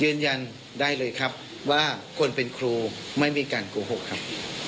ยืนยันได้เลยครับว่าคนเป็นครูไม่มีการโกหกครับ